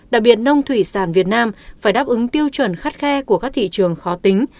đặc biệt nông thủy sản việt nam phải đáp ứng tiêu chuẩn khắt khe của các thị trường khó tính